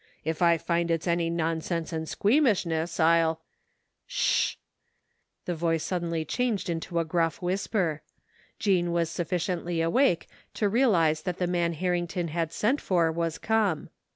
If I find it's any nonsense and squeamishness I'll "" Sh " The voice suddenly changed into a gruff whisper. Jean was sufficiently awake to realize that the man Har rington had sent for was come.